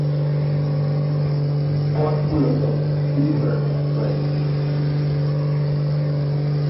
পট মূলত দুই ধরনের রয়েছে।